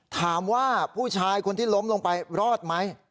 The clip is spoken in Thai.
ถามว่าผู้ชายคนที่ล้มลงไปรอดไหม